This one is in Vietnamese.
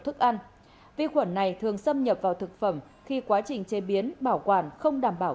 thức ăn vi khuẩn này thường xâm nhập vào thực phẩm khi quá trình chế biến bảo quản không đảm bảo